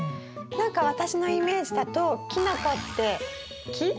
何か私のイメージだとキノコって木？